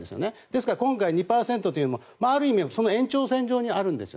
ですから今回、２％というのはある意味その延長線上にあるんです。